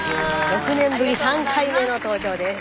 ６年ぶり３回目の登場です。